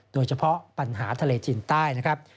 โดยเฉพาะปัญหาทะเลจีนใต้นะครับ